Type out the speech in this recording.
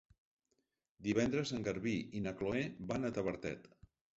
Divendres en Garbí i na Chloé van a Tavertet.